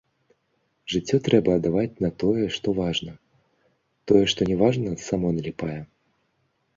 Жыццё трэба аддаваць на тое, што важна, тое, што не важна, само наліпае.